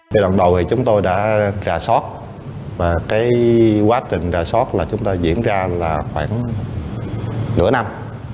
điều đầu thì chúng tôi đã đà soát và cái quá trình đà soát là chúng ta diễn ra là khoảng nửa năm